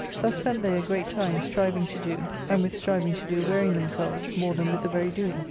Thtis spent they a great time, striving to do, and with striving to do wearying them selves more than with the very doing.